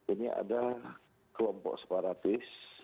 ini ada kelompok separatis